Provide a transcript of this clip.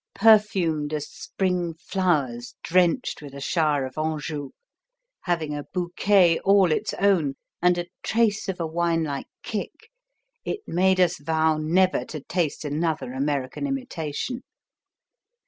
Perfumed as spring flowers drenched with a shower of Anjou, having a bouquet all its own and a trace of a winelike kick, it made us vow never to taste another American imitation.